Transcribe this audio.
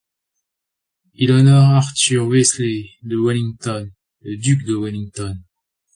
Il honore Arthur Wellesley de Wellington, le duc de Wellington.